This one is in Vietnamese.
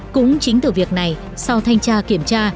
cũng chính từ việc này sau thanh tra kiểm tra